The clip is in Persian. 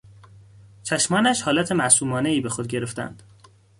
چشمانش حالت معصومانهای بهخود گرفتند.